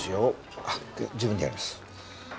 あっ自分でやります。